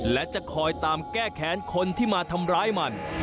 และจะคอยตามแก้แค้นคนที่มาทำร้ายมัน